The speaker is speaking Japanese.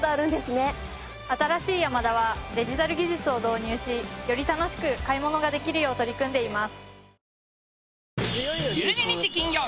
新しいヤマダはデジタル技術を導入しより楽しく買い物ができるよう取り組んでいます。